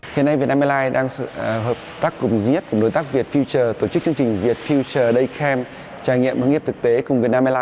hiện nay việt nam airlines đang hợp tác cùng đối tác việt future tổ chức chương trình việt future day camp trải nghiệm hướng nghiệp thực tế cùng việt nam airlines